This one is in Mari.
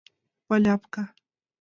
Валяпка!